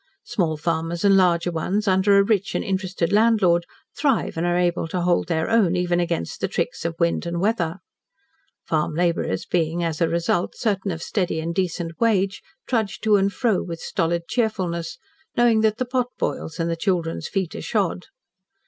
Small farmers and larger ones, under a rich and interested landlord, thrive and are able to hold their own even against the tricks of wind and weather. Farm labourers being, as a result, certain of steady and decent wage, trudge to and fro, with stolid cheerfulness, knowing that the pot boils and the children's feet are shod.